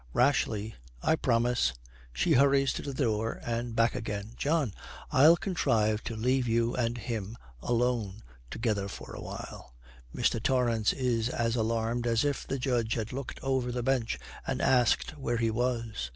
Rashly, 'I promise.' She hurries to the door and back again. 'John, I'll contrive to leave you and him alone together for a little.' Mr. Torrance is as alarmed as if the judge had looked over the bench and asked where he was.